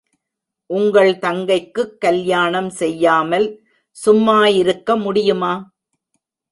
உங்கள் தங்கைக்குக் கல்யாணம் செய்யாமல் சும்மாயிருக்க முடியுமா?